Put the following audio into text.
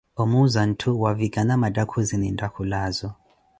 Omuuza ntthu wavikana mattakhuzi ninttakhulaazo.